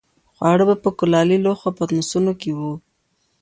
خواړه به په کلالي لوښو او پتنوسونو کې وو.